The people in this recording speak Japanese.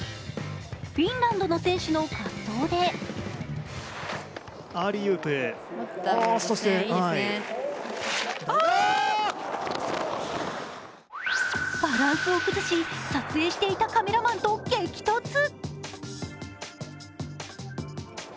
フィンランドの選手の滑走でバランスを崩し、撮影していたカメラマンと激突。